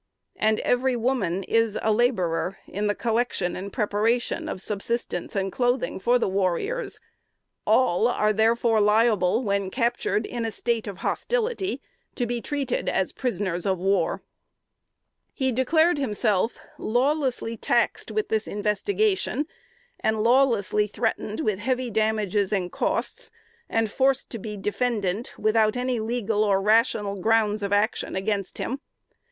And every woman is a laborer, in the collection and preparation of subsistence and clothing for the warriors: all are therefore liable, when captured in a state of hostility, to be treated as prisoners of war." He declared himself "lawlessly taxed with this investigation, and lawlessly threatened with heavy damages and costs, and forced to be defendant, without any legal or rational grounds of action against him.